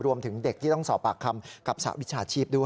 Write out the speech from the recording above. รวมถึงเด็กที่ต้องสอบปากคำกับสหวิชาชีพด้วย